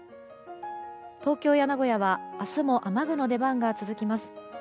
東京や名古屋は明日も雨具の出番が続きます。